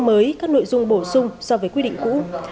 mới các nội dung bổ sung so với quy định cũ